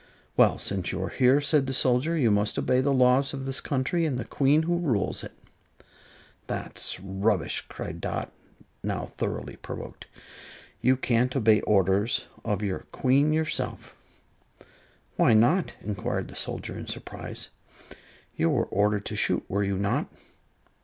"Well, since you are here," said the soldier, "you must obey the laws of this country and the Queen who rules it." "That's rubbish!" cried Dot, now thoroughly provoked. "You can't obey the orders of your Queen yourself." "Why not?" inquired the soldier, in surprise. "You were ordered to shoot, were you not?"